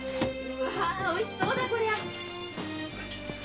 おいしそうだこりゃ。